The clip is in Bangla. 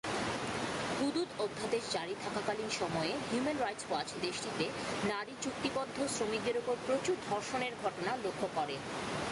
হুদুদ অধ্যাদেশ জারি থাকাকালীন সময়ে হিউম্যান রাইটস ওয়াচ দেশটিতে নারী চুক্তিবদ্ধ শ্রমিকদের ওপর প্রচুর ধর্ষণের ঘটনা লক্ষ করে।